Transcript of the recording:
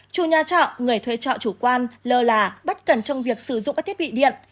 chủ nhà trọ người thuê trọ chủ quan lơ là bất cẩn trong việc sử dụng các thiết bị điện